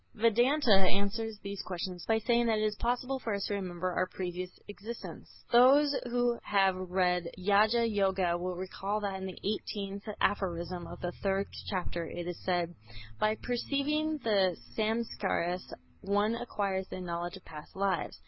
Vedanta answers these questions by saying that it is possible for us to remember our previous existences. Those who have read "Raja Yoga" will recall that in the 18th aphorism of the third chapter it is said: "By perceiving the Samskâras one acquires the knowledge of past lives."